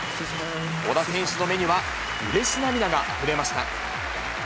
小田選手の目には、うれし涙があふれました。